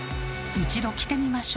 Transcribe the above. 一度着てみましょう。